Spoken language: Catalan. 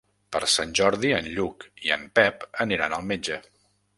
Per Sant Jordi en Lluc i en Pep aniran al metge.